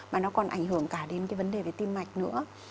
mà nó còn ảnh hưởng cả đến cái vấn đề về tim mạch nữa